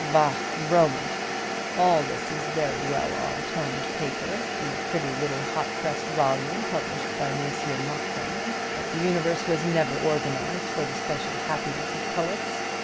Bah, Roland! all this is very well on toned paper, in a pretty little hot pressed volume published by Messrs. Moxon; but the universe was never organized for the special happiness of poets.